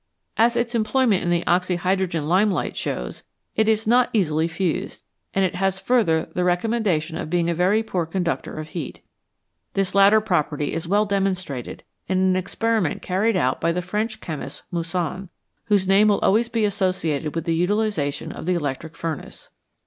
As its em ployment in the oxy hydrogen lime light shows, it is not easily fused, and it has further the recommenda tion of being a very poor conductor of heat. This latter property was well demonstrated in an experi ment carried out by the French chemist Moissan, whose name will always be associated with the utilisation of the electric furnace.